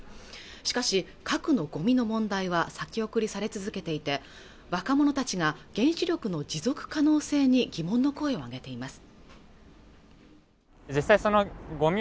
しかし核のごみの問題は先送りされ続けていて若者たちが原子力の持続可能性に疑問の声を上げています